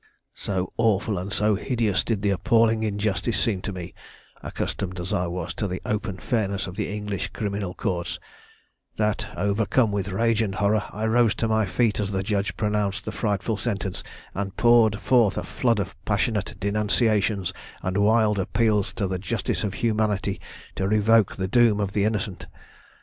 "So awful and so hideous did the appalling injustice seem to me, accustomed as I was to the open fairness of the English criminal courts, that, overcome with rage and horror, I rose to my feet as the judge pronounced the frightful sentence, and poured forth a flood of passionate denunciations and wild appeals to the justice of humanity to revoke the doom of the innocent.